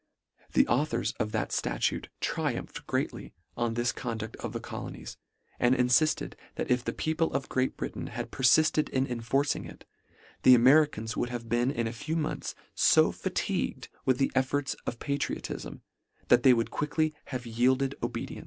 The authors of that ftatute triumphed greatly on this conduct of the colonies, and inlifted that if the people of Great Britain, had perfifted in enforcing it, the Americans would have been in a few months fo fatigued with the efforts of patriotifm, that they would quickly have yielded obedience.